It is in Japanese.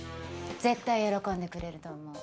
絶対喜んでくれると思う。